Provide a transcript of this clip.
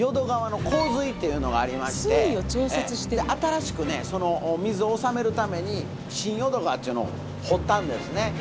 新しくねその水を治めるために新淀川っちゅうのを掘ったんですね。